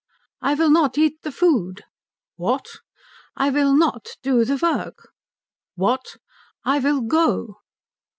"I will not eat the food." "What!" "I will not do the work." "What!" "I will go." "Go?"